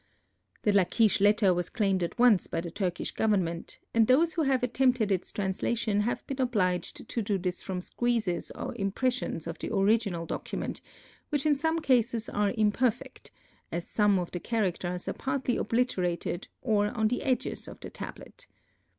The Lachish letter was claimed at once by the Turkish government, and those who have attempted its translation have been obliged to do this from squeezes or impressions of the original document, which in some cases are imperfect, as some of the characters are partly obliterated or on the edges of the tablet.